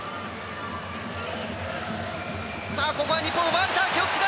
ここは日本、奪われた。